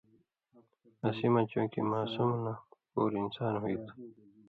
اسی مہ چون٘کے ماسُم نہ پُور اِنسان ہُوئ تُھُو